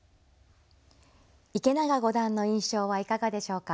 池永五段の印象はいかがでしょうか。